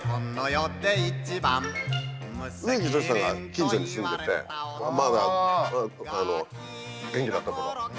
植木等さんが近所に住んでてまだ元気だった頃。